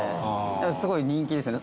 すごい人気ですよね。